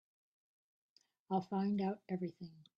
I'll find out everything.